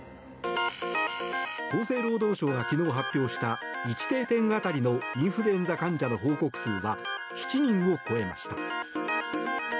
厚生労働省が昨日発表した１定点当たりのインフルエンザ患者の報告数は７人を超えました。